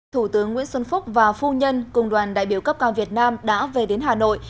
thủ tướng nguyễn xuân phúc và phu nhân cùng đoàn đại biểu cấp cao việt nam đã về đến hà nội